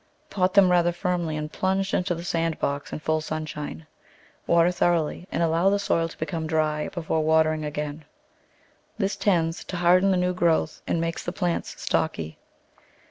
Pot them rather firmly and plunge into the sand box in full sunshine. Water thoroughly and allow the soil to become dry before watering again; this tends to harden the new growth and makes the plants stocky.